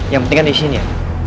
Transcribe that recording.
yang penting kan di sini ya